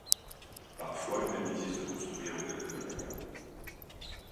Parfois une amitié se construit en quelques traits.